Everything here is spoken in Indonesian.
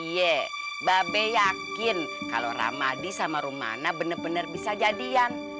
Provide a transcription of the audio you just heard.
iya babe yakin kalau ramadhan sama rumana bener bener bisa jadian